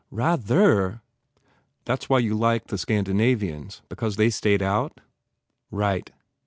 "Rather!" "That s why you like the Scandinavians? Be cause they stayed out?" "Right.